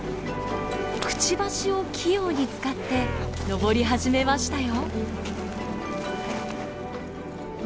くちばしを器用に使って登り始めましたよ。